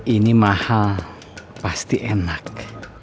ini mahal pasti enak